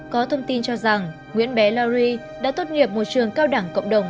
có thông tin cho rằng nguyễn bé lari đã tốt nghiệp một trường cao đẳng cộng đồng